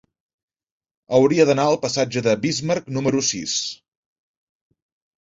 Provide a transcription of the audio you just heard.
Hauria d'anar al passatge de Bismarck número sis.